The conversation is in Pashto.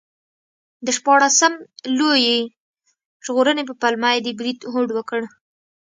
د شپاړسم لویي ژغورنې په پلمه یې د برید هوډ وکړ.